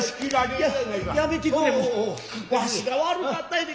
わしが悪かった言うて。